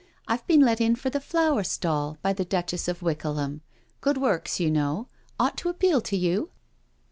I've been let in for the flower stall by the Duchess of Wickleham. Good works, you know — ought to appeal to you."